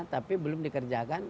tapi belum dikerjakan